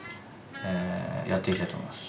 えやっていきたいと思います。